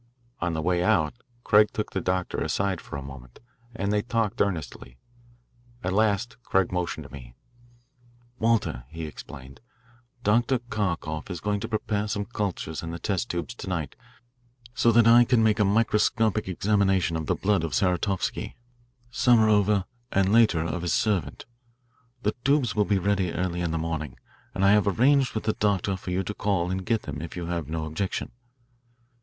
On the way out Craig took the doctor aside for a moment, and they talked earnestly. At last Craig motioned to me. "Walter," he explained, "Dr. Kharkoff is going to prepare some cultures in the test tubes to night so that I can make a microscopic examination of the blood of Saratovsky, Samarova, and later of his servant. The tubes will be ready early in the morning, and I have arranged with the doctor for you to call and get them if you have no objection."